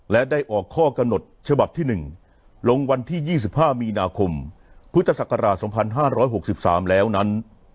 และได้ออกข้อกำหนดฉบับที่๑ลงวันที่๒๕มีนาคมพุทธศักราช๒๕๖๓แล้วนั้น